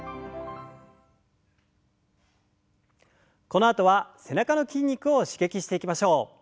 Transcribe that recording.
このあとは背中の筋肉を刺激していきましょう。